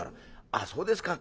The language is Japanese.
「あっそうですか。